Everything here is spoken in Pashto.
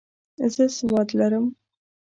زه سواد لرم.